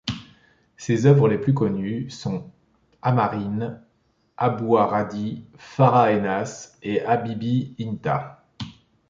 Ses œuvres les plus connues sont “Amarine,” “Abouha Radi,” “Farah Ennass”, et “Habibi Inta”.